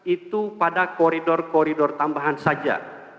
itu pada koridor koridor tambahan saja